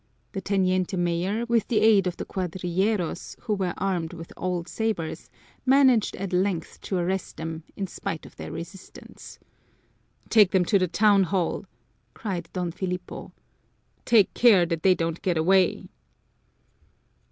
The teniente mayor, with the aid of the cuadrilleros, who were armed with old sabers, managed at length to arrest them, in spite of their resistance. "Take them to the town hall!" cried Don Filipo. "Take care that they don't get away!"